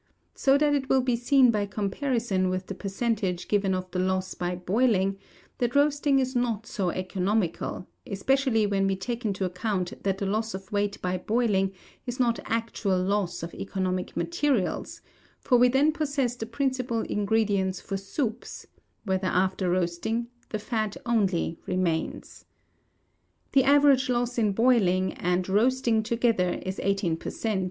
So that it will be seen by comparison with the percentage given of the loss by boiling, that roasting is not so economical; especially when we take into account that the loss of weight by boiling is not actual loss of economic materials, for we then possess the principal ingredients for soups; whereas, after roasting, the fat only remains. The average loss in boiling and and roasting together is 18 per cent.